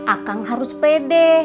akang harus pede